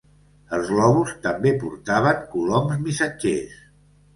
Els globus també portaven coloms missatgers.